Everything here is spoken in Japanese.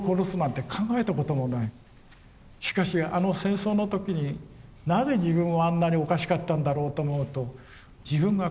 しかしあの戦争の時になぜ自分はあんなにおかしかったんだろうと思うと自分が怖い。